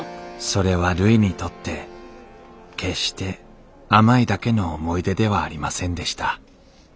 それはるいにとって決して甘いだけの思い出ではありませんでした